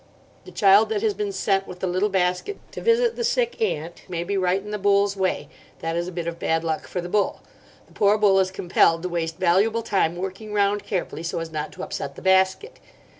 The child that has been sent with the little basket to visit the sick aunt may be right in the bull's way. That is a bit of bad luck for the bull. The poor bull is compelled to waste valuable time working round carefully, so as not to upset the basket.